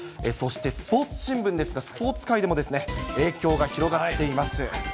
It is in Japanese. そしてスポーツ新聞ですが、スポーツ界でも影響が広がっています。